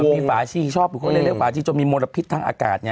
มีฝาชีชอบอยู่เรียกว่าฝาชีโดยมีมลพิษทางอากาศ